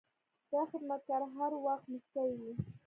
دا خدمتګار هر وخت موسکی وي.